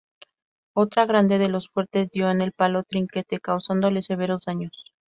Otra granada de los fuertes dio en el palo trinquete, causándole severos daños.